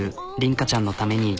夏ちゃんのために。